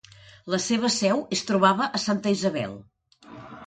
La seva seu es trobava a Santa Isabel.